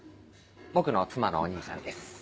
僕の妻のお兄さんです。